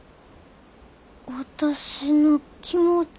私の気持ち。